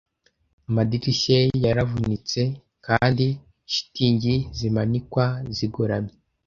Amadirishya ye yaravunitse kandi shitingi zimanikwa zigoramye.